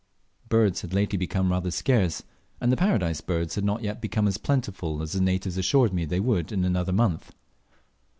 Birds had lately become rather scarce, and the Paradise birds had not yet become as plentiful as the natives assured me they would be in another month.